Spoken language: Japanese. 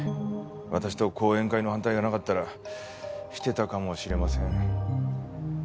私と後援会の反対がなかったらしてたかもしれません。